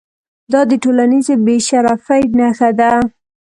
دا د ټولنیز بې شرفۍ نښه ده.